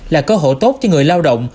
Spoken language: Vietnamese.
là cơ hội tốt cho người lao động